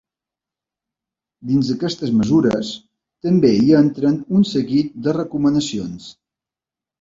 Dins aquestes mesures, també hi entren un seguit de recomanacions.